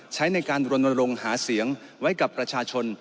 ใช้ในการรณรงค์หาเสียงไว้กับประชาชน